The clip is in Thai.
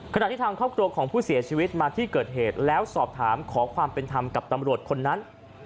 ขณะที่ทางครอบครัวของผู้เสียชีวิตมาที่เกิดเหตุแล้วสอบถามขอความเป็นธรรมกับตำรวจคนนั้น